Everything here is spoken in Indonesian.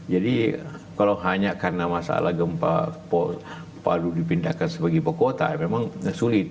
jadi kalau hanya karena masalah gempa palu dipindahkan sebagai pekuota memang sulit